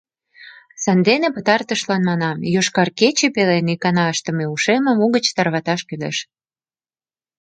Сандене пытартышлан манам: «Йошкар кече» пелен икана ыштыме Ушемым угыч тарваташ кӱлеш.